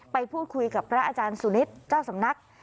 ไปพูดคุยกับพระอาจารย์สุนิทเจ้าสำนัก